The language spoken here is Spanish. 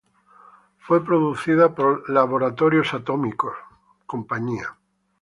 Fue producida por Atomic Laboratories, inc.